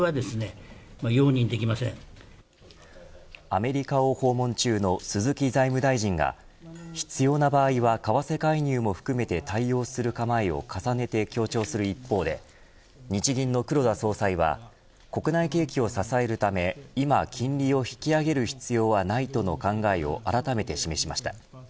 アメリカを訪問中の鈴木財務大臣が必要な場合は、為替介入も含めて対応する構えを重ねて強調する一方で日銀の黒田総裁は国内景気を支えるため今、金利を引き上げる必要はないとの考えをあらためて示しました。